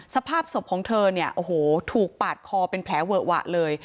สภาพศพของเธอถูกปาดคอเป็นแผลเวอะหวะเลย